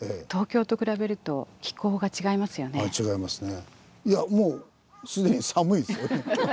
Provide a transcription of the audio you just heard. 違いますね。